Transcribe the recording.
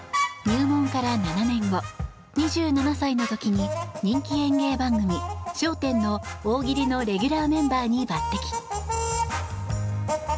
入門から７年後、２７歳の時に人気演芸番組「笑点」の大喜利のレギュラーメンバーに抜擢。